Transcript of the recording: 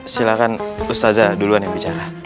silahkan ustazah duluan yang bicara